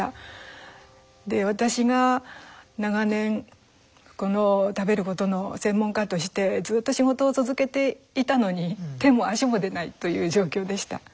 私が長年この食べることの専門家としてずっと仕事を続けていたのに手も足も出ないという状況でした。